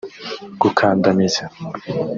gukandamiza